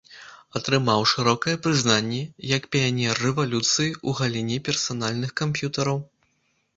Атрымаў шырокае прызнанне як піянер рэвалюцыі ў галіне персанальных камп'ютараў.